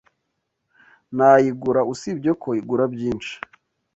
Nayigura, usibye ko igura byinshi.